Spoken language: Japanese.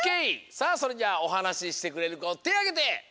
さあそれじゃあおはなししてくれるこてあげて！